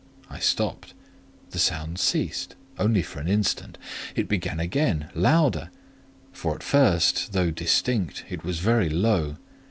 I stopped: the sound ceased, only for an instant; it began again, louder: for at first, though distinct, it was very low.